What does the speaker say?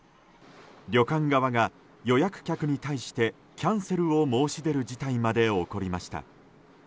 旅館側が、予約客に対してキャンセルを申し出る事態まで起こりました。